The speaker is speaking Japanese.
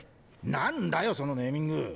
何だよそのネーミング！